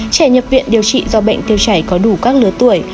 trẻ nhập viện điều trị do bệnh tiêu chảy có đủ các lứa tuổi